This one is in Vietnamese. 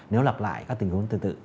nếu lặp lại các tình huống tương tự